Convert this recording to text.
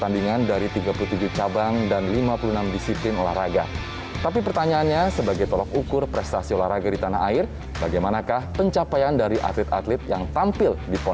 di pon kali ini